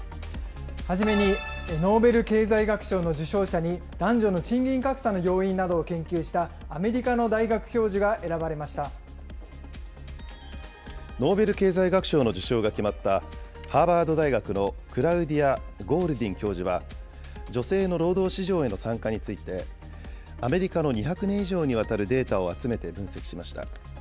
初めに、ノーベル経済学賞の受賞者に、男女の賃金格差の要因などを研究したアメリカの大学教授がノーベル経済学賞の受賞が決まったハーバード大学のクラウディア・ゴールディン教授は、女性の労働市場への参加について、アメリカの２００年以上にわたるデータを集めて分析しました。